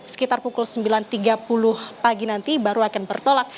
sekitar pukul sembilan tiga puluh pagi nanti baru akan bertolak